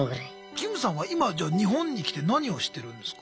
キムさんは今じゃあ日本に来て何をしてるんですか？